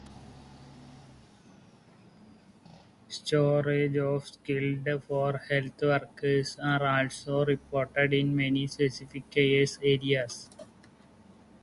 Shortages of skilled for health workers are also reported in many specific care areas.